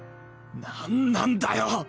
何なんだよ！